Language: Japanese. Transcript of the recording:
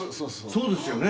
そうですよね。